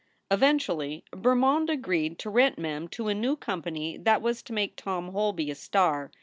Eventually, Bermond agreed to rent Mem to a new company that was to make Tom Holby a star.